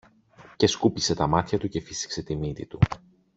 και σκούπισε τα μάτια του και φύσηξε τη μύτη του